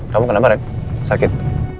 kamu kenapa ren sakit